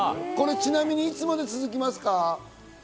ちなみにいつまで続きますか？